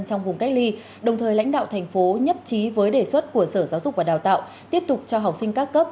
trong vùng cách ly đồng thời lãnh đạo thành phố nhất trí với đề xuất của sở giáo dục và đào tạo tiếp tục cho học sinh các cấp